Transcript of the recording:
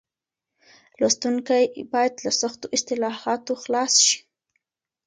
لوستونکي بايد له سختو اصطلاحاتو خلاص شي.